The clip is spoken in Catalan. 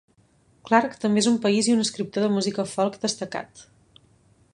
Clark també és un país i un escriptor de música folk destacat.